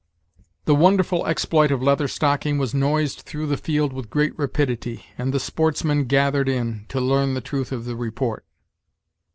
The wonderful exploit of Leather Stocking was noised through the field with great rapidity, and the sportsmen gathered in, to learn the truth of the report.